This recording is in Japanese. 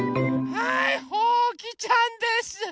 はいほうきちゃんです！